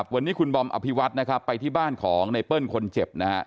วันนี้คุณบอมอภิวัตไปที่บ้านของในเปิ้ลคนเจ็บ